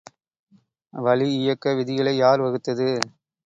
வளி இயக்க விதிகளை யார் வகுத்தது?